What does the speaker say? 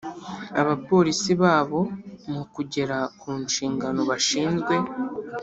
abapolisi babo mu kugera kunshingano bashinzwe